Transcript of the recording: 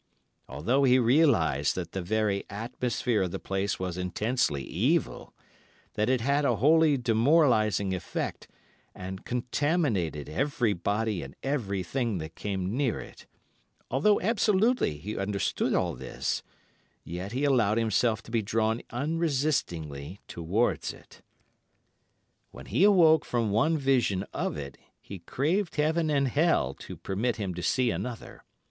Although he realised that the very atmosphere of the place was intensely evil, that it had a wholly demoralising effect and contaminated everybody and everything that came near it, although absolutely he understood all this, yet he allowed himself to be drawn unresistingly towards it. "When he awoke from one vision of it, he craved heaven and hell to permit him to see another.